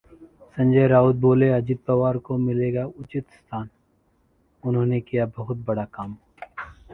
संजय राउत बोले- अजित पवार को मिलेगा उचित स्थान, उन्होंने किया बहुत बड़ा काम